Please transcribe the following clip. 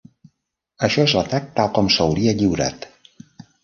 Això és l'atac tal com s'hauria lliurat.